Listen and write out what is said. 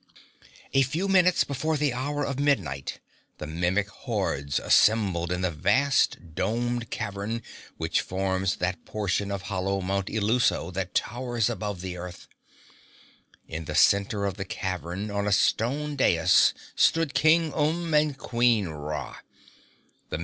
A few minutes before the hour of midnight, the Mimic hordes assembled in the vast domed cavern which forms that portion of hollow Mount Illuso that towers above the earth. In the center of the cavern on a stone dais stood King Umb and Queen Ra.